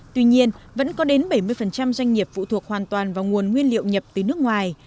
tuy nhiên vẫn có đến bảy mươi doanh nghiệp phụ thuộc hoàn toàn vào nguồn nguyên liệu nhập từ nước ngoài